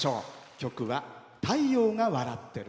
曲は「太陽が笑ってる」